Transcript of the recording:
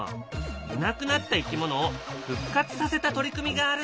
いなくなった生き物を復活させた取り組みがあるんだ。